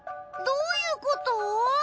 どういうこと？